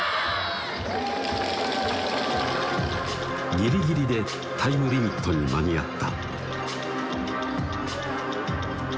ギリギリでタイムリミットに間に合った